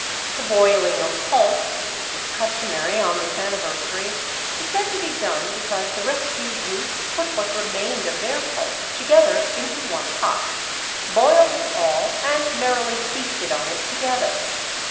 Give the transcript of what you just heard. The boiling of pulse, which is customary on this anniversary, is said to be done because the rescued youths put what remained of their pulse together into one pot, boiled it all, and merrily feasted on it together.